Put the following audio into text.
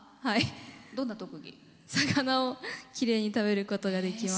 魚をきれいに食べることができます。